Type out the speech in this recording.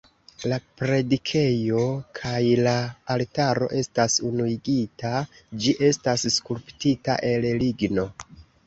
La predikejo kaj la altaro estas unuigita, ĝi estas skulptita el ligno.